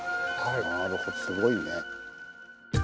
なるほどすごいね。